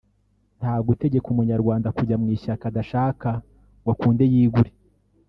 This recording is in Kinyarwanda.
nta gutegeka umunyarwanda kujya mu ishyaka adashaka ngo akunde yigure